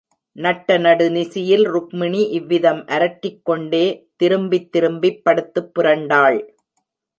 நட்ட நடு நிசியில் ருக்மிணி இவ்விதம் அரற்றிக் கொண்டே திரும்பித் திரும்பிப் படுத்துப் புரண்டாள்.